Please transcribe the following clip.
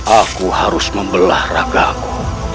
aku harus membelah ragaku